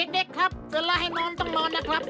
เด็กครับเสร็จแล้วให้นอนต้องนอนนะครับ